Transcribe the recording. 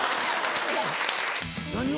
何を。